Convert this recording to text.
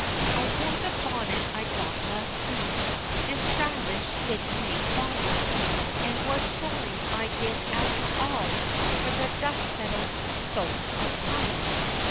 I wore the bonnet I got last week, This stylish city made bonnet, And was sorry I did after all, For the dust settled so upon it.